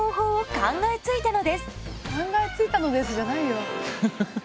「考えついたのです」じゃないよ。